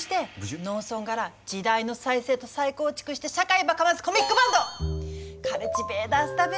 農村がら時代の再生と再構築して社会ばかますコミックバンドカルチベーターズだべ。